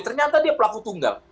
ternyata dia pelaku tunggal